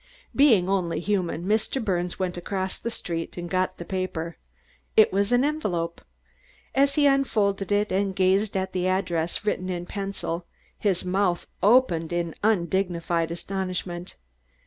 Being only human, Mr. Birnes went across the street and got the paper. It was an envelope. As he unfolded it and gazed at the address, written in pencil, his mouth opened in undignified astonishment.